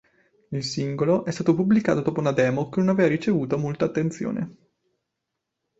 Il singolo è stato pubblicato dopo una demo che non aveva ricevuto molta attenzione.